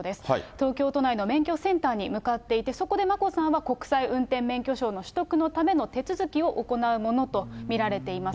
東京都内の免許センターに向かっていて、そこで眞子さんは国際運転免許証の取得のための手続きを行うものと見られています。